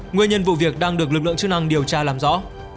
nguyên nhân vụ việc đang được lực lượng chức năng điều tra làm rõ